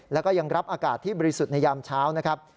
แล้วก็ยังรับอากาศที่บริสุทธิ์ในยามเช้านะครับ